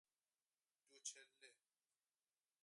دوچله